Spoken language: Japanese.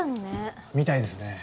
みたいですね。